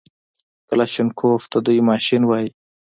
کلاشينکوف ته دوى ماشين وايي.